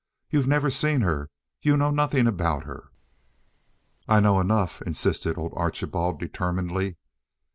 You've never seen her. You know nothing about her." "I know enough," insisted old Archibald, determinedly.